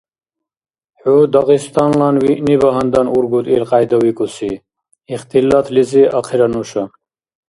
— ХӀу дагъистанлан виъни багьандан ургуд илкьяйда викӀуси? — ихтилатлизи ахъира нуша.